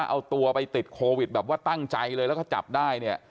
ถ้าเอาตัวไปติดโควิดแบบว่าตั้งใจแล้วก็จับได้